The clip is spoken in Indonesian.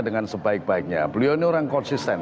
dengan sebaik baiknya beliau ini orang konsisten